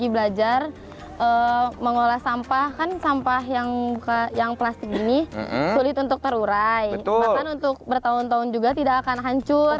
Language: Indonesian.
bahkan untuk bertahun tahun juga tidak akan hancur